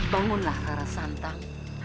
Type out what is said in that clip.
tunggu lah rara santang